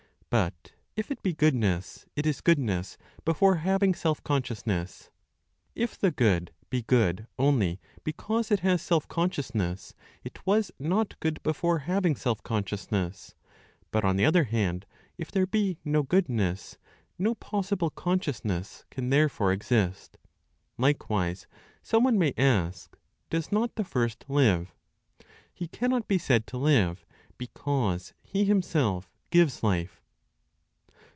But if it be Goodness, it is goodness before having self consciousness. If the Good be good only because it has self consciousness, it was not good before having self consciousness; but, on the other hand, if there be no goodness, no possible consciousness can therefore exist. (Likewise, someone may ask) does not the First live? He cannot be said to live, because He Himself gives life.